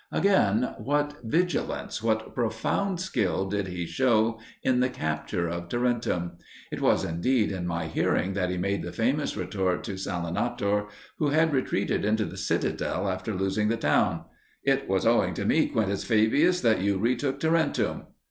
Again what vigilance, what profound skill did he show in the capture of Tarentum! It was indeed in my hearing that he made the famous retort to Salinator, who had retreated into the citadel after losing the town: "It was owing to me, Quintus Fabius, that you retook Tarentum."